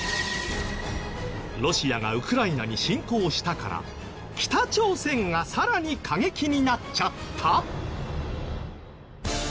ロシアがウクライナに侵攻したから北朝鮮がさらに過激になっちゃった！？